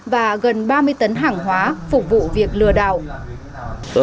và gần ba mươi tấn hàng hóa phục vụ việc lừa đảo